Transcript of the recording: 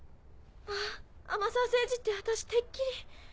あぁ天沢聖司って私てっきり。